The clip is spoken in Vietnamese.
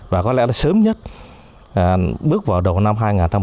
và có lẽ là sớm nhất bước vào đầu năm hai nghìn một mươi bảy